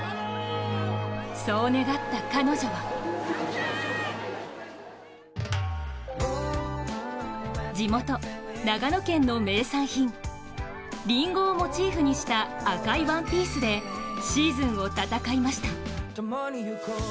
そう願った彼女は地元・長野県の名産品りんごをモチーフにした赤いワンピースでシーズンを戦いました。